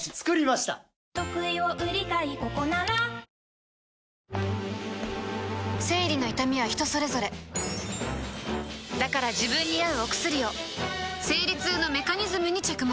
「ビオレ」生理の痛みは人それぞれだから自分に合うお薬を生理痛のメカニズムに着目